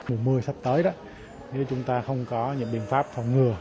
mùa mưa sắp tới đó nếu chúng ta không có những biện pháp phòng ngừa